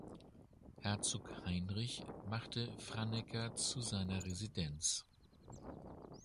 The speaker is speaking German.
Herzog Heinrich machte Franeker zu seiner Residenz.